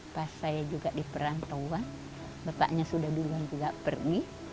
pas saya juga diperantauan bapaknya sudah dulu juga pergi